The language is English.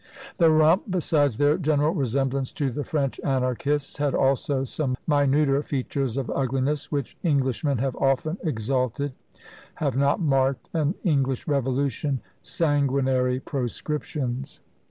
"The Rump," besides their general resemblance to the French anarchists, had also some minuter features of ugliness, which Englishmen have often exulted have not marked an English revolution sanguinary proscriptions!